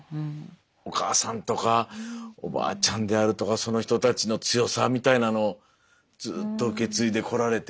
お母さんとかおばあちゃんであるとかその人たちの強さみたいなのをずっと受け継いでこられて。